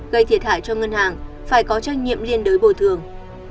gây thiệt hại cho ngân hàng phải có trách nhiệm liên đối bồi thường